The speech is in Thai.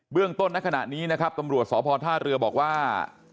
เรื่องต้นในขณะนี้นะครับตำรวจสพท่าเรือบอกว่า